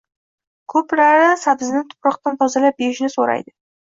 Koʻplari sabzini tuproqdan tozalab berishni soʻraydi.